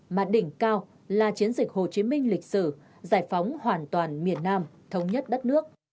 mà đỉnh cao là chiến dịch hồ chí minh lịch sử giải phóng hoàn toàn miền nam thống nhất đất nước